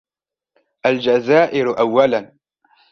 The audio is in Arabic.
الجزائر أولا